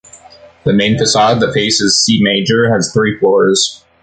The main façade that faces C/ Major has three floors.